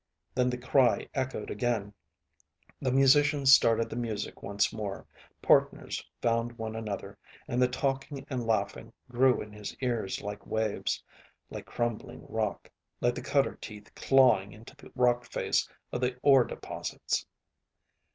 Then the cry echoed again. The musicians started the music once more, partners found one another, and the talking and laughing grew in his ears like waves, like crumbling rock, like the cutter teeth clawing into the rock face of the ore deposits....